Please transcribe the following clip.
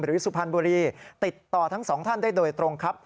หรือสุพันธ์บุรีที่ต่อทั้ง๒ท่านได้โดยตรงครับ